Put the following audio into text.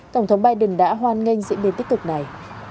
tổng thống biden đã hoan nghênh diễn biến tích cực này